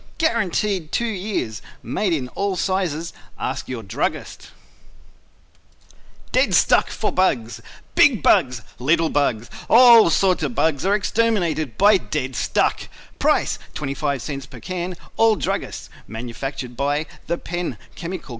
Guaranteed two years. Made in all sizes. Ask Your Druggist [Illustration: Image of spray can.] "Dead Stuck" for Bugs Big Bugs, Little Bugs All sorts of Bugs are exterminated by "DEAD STUCK" Price 25 Cents per Can All Druggists Manufactured by THE PENN CHEMICAL CO.